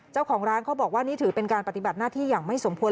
เจ้าของร้านเขาบอกว่านี่ถือเป็นการปฏิบัติหน้าที่อย่างไม่สมควร